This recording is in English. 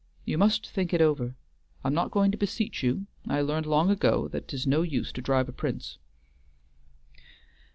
You must think it over. I'm not going to beseech you: I learned long ago that 'tis no use to drive a Prince."